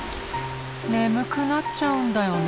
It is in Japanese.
眠くなっちゃうんだよね。